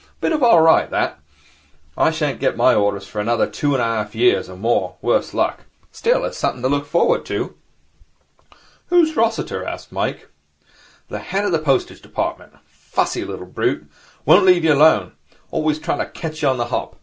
Bit of all right, that. I shan't get my orders for another two and a half years and more, worse luck. Still, it's something to look forward to.' 'Who's Rossiter?' asked Mike. 'The head of the postage department. Fussy little brute. Won't leave you alone. Always trying to catch you on the hop.